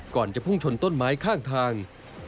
จะพุ่งชนต้นไม้ข้างทาง